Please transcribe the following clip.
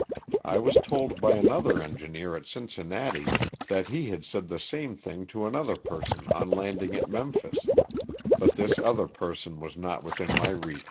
I was told by another engineer at Cincinnati that he had said the same thing to another person on landing at Memphis, but this other person was not within my reach.